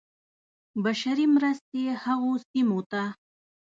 بشري مرستې هغو سیمو ته.